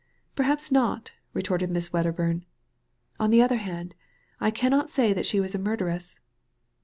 '^• Perhaps not,'* retorted Miss Wedderbum. " On the other hand, I cannot say that she was a murderess.